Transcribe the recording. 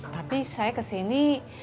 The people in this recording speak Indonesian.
tapi saya kesini